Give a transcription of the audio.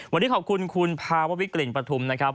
วันนี้ขอบคุณคุณภาววิกลิ่นประทุมนะครับ